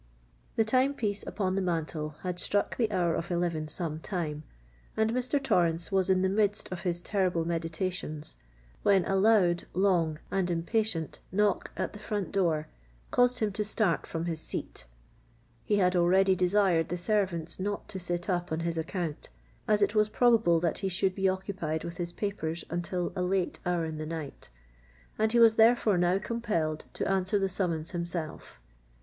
The time piece upon the mantle had struck the hour of eleven some time, and Mr. Torrens was in the midst of his terrible meditations, when a loud, long, and impatient knock at the front door caused him to start from his seat. He had already desired the servants not to sit up on his account, as it was probable that he should be occupied with his papers until a late hour in the night; and he was therefore now compelled to answer the summons himself.